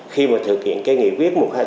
khi mà thực hiện cái nghị quyết một trăm hai mươi